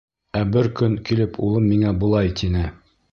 Ә бер көн килеп улым миңә былай тине: